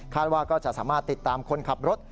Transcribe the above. ว่าก็จะสามารถติดตามคนขับรถ